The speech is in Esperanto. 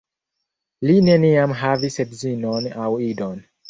Li neniam havis edzinon aŭ idon.